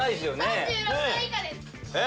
３６歳以下です。え？